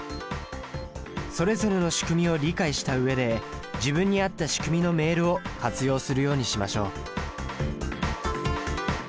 それぞれの仕組みを理解したうえで自分に合った仕組みのメールを活用するようにしましょう。